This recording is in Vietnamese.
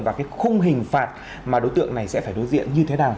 và cái khung hình phạt mà đối tượng này sẽ phải đối diện như thế nào